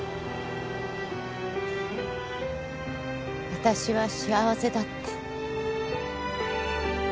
私は幸せだって。